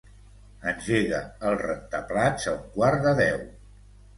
Engega el rentaplats a un quart de deu.